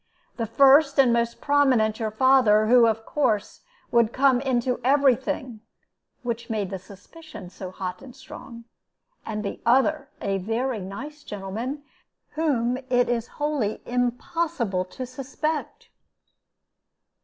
The first and most prominent, your father, who, of course, would come into every thing (which made the suspicion so hot and strong); and the other, a very nice gentleman, whom it is wholly impossible to suspect."